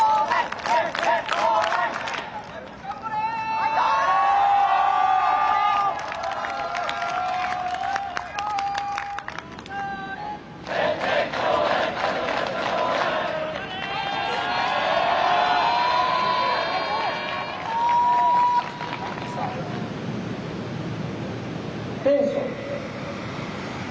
アテンション。